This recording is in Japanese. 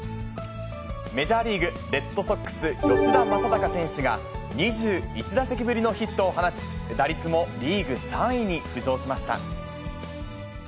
メジャーリーグ・レッドソックス、吉田正尚選手が、２１打席ぶりのヒットを放ち、打率もリーグ３位に浮上しました。